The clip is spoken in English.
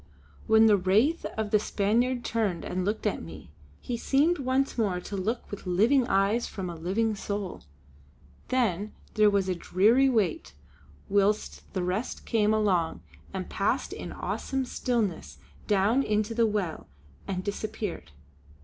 When the wraith of the Spaniard turned and looked at me, he seemed once more to look with living eyes from a living soul. Then there was a dreary wait whilst the rest came along and passed in awesome stillness down into the well and disappeared.